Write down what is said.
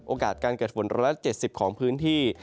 โอกาสการเกิดฝนร้อยละ๗๐ของพื้นที่